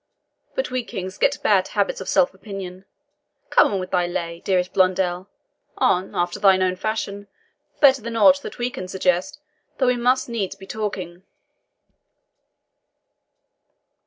But we kings get bad habits of self opinion. Come, on with thy lay, dearest Blondel on after thine own fashion, better than aught that we can suggest, though we must needs be talking."